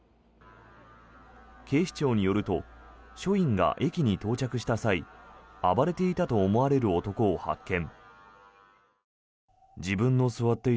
警視庁によると署員が駅に到着した際暴れていたと思われる男を発見。